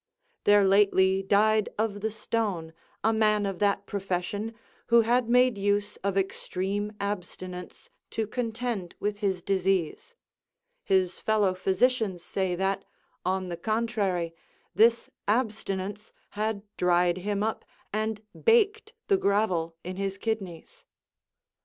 There lately died of the stone a man of that profession, who had made use of extreme abstinence to contend with his disease: his fellow physicians say that, on the contrary, this abstinence had dried him up and baked the gravel in his kidneys.